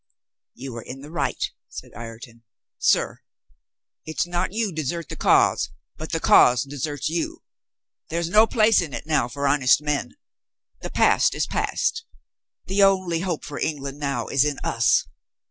"You are in the right," said Ireton. "Sir, it's not you desert the cause, but the cause deserts you. There's no place in it now for honest men. The past is past. The only hope for England now Is in us.